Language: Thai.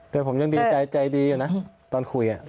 แต่ผมยังใจดีเดี๋ยวนะตอนคุยแหละ